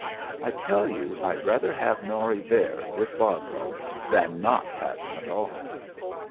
I tell you, I'd rather have Norry there with Barbara than not have him at all."